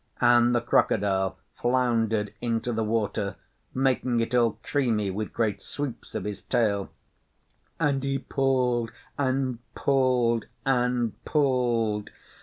And the Crocodile floundered into the water, making it all creamy with great sweeps of his tail, and he pulled, and pulled, and pulled.